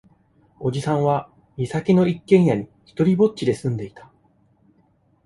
叔父さんは、岬の一軒家に独りぼっちで住んでいた。